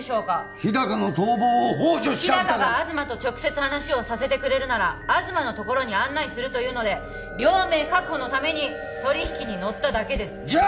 日高の逃亡を幇助した疑い日高が東と直接話をさせてくれるなら東のところに案内するというので両名確保のために取引に乗っただけですじゃあ